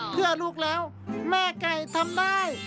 เพื่อลูกแล้วแม่ไก่ทำได้